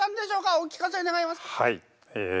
お聞かせ願えますか。